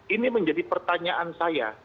ini menjadi pertanyaan saya